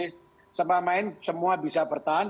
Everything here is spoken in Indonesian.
selama main semua bisa bertahan